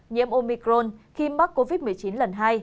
nhiễm omicron khi mắc covid một mươi chín lần hai